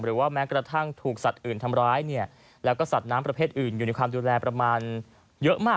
แม้กระทั่งถูกสัตว์อื่นทำร้ายเนี่ยแล้วก็สัตว์น้ำประเภทอื่นอยู่ในความดูแลประมาณเยอะมาก